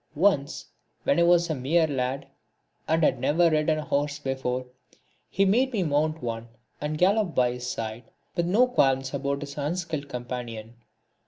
Once, when I was a mere lad, and had never ridden a horse before, he made me mount one and gallop by his side, with no qualms about his unskilled companion.